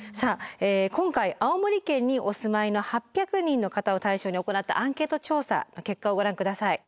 今回青森県にお住まいの８００人の方を対象に行ったアンケート調査の結果をご覧下さい。